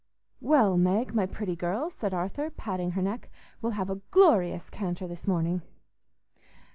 "Well, Meg, my pretty girl," said Arthur, patting her neck, "we'll have a glorious canter this morning."